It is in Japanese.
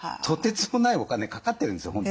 とてつもないお金かかってるんですよ